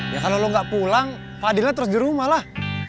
ya kalo lo gak pulang fadilnya terus di rumah lah